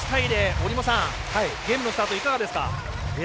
折茂さん、ゲームのスタートいかがですか。